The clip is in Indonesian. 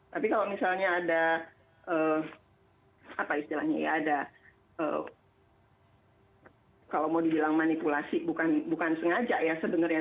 tapi kalau misalnya ada apa istilahnya ya ada kalau mau dibilang manipulasi bukan sengaja ya sebenarnya